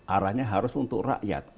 arahnya harus untuk rakyat